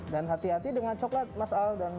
dan hati hati dengan coklat mas al